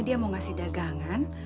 dia mau ngasih dagangan